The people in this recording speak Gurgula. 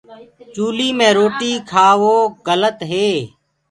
چوُلِي مي روٽي کآوو گَلت هي۔